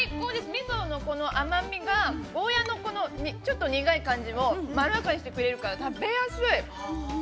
みその甘みがゴーヤのちょっと苦い感じをまろやかにしてくれるから食べやすい！